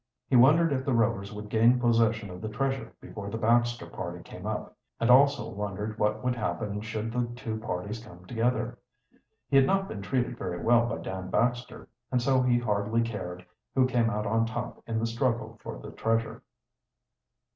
He wondered if the Rovers would gain possession of the treasure before the Baxter party came up, and also wondered what would happen should the two parties come together. He had not been treated very well by Dan Baxter, and so he hardly cared who came out on top in the struggle for the treasure.